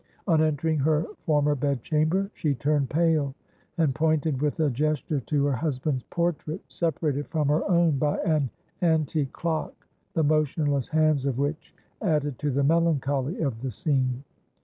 On entering her former bedchamber, she turned pale, and pointed with a gesture to her husband's portrait, separated from her own by an antique clock, the motionless hands of which added to the melancholy of the scene.